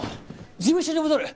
事務所に戻る。